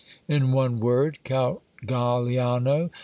In one word, Count Galiano.